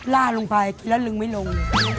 ล่ารงไล่ไปกินแล้วลึกไม่ลง